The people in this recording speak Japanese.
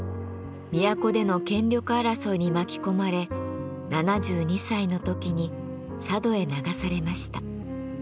都での権力争いに巻き込まれ７２歳の時に佐渡へ流されました。